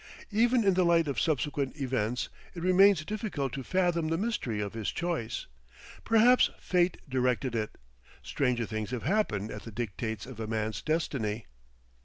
Even in the light of subsequent events it remains difficult to fathom the mystery of his choice. Perhaps Fate directed it; stranger things have happened at the dictates of a man's Destiny.